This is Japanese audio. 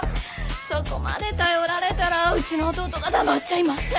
そこまで頼られたらうちの弟が黙っちゃいません。